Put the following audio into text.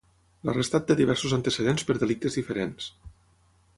L'arrestat té diversos antecedents per delictes diferents.